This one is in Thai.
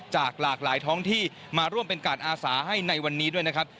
จากหลากหลายท้องที่มาร่วมเป็นการอาสาให้ในวันนี้ด้วยนะครับ